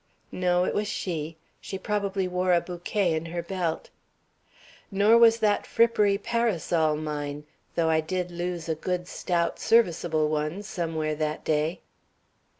"No, it was she. She probably wore a bouquet in her belt." "Nor was that frippery parasol mine, though I did lose a good, stout, serviceable one somewhere that day."